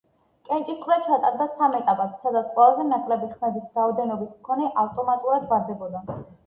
კენჭისყრა ჩატარდა სამ ეტაპად, სადაც ყველაზე ნაკლები ხმების რაოდენობის მქონე ავტომატურად ვარდებოდა.